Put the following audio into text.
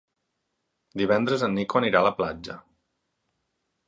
Divendres en Nico anirà a la platja.